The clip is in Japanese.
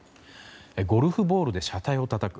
ゴルフボールで車体をたたく。